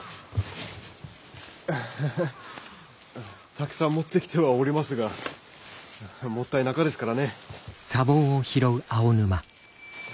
たくさん持ってきてはおりますがもったいなかですからね。